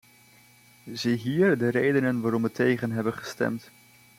Ziehier de redenen waarom we tegen hebben gestemd.